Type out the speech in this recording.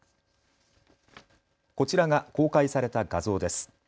こちらが公開された画像です。